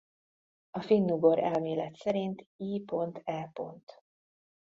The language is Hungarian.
A finnugor elmélet szerint i.e.